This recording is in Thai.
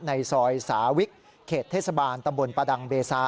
ในซอยสาวิกเขตเทศบาลตำบลประดังเบซา